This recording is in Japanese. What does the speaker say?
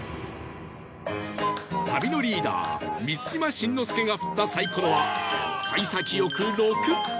旅のリーダー満島真之介が振ったサイコロは幸先良く「６」